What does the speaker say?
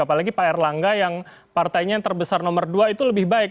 apalagi pak erlangga yang partainya yang terbesar nomor dua itu lebih baik